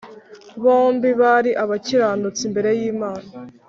Bombi bari abakiranutsi imbere y Imana